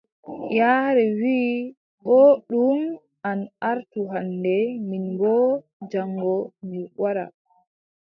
Yaare wii: booɗɗum an artu hannde, min boo jaŋgo mi waɗa.